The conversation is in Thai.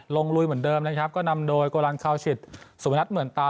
ลุยเหมือนเดิมนะครับก็นำโดยโกลันคาวชิตสุพนัทเหมือนตา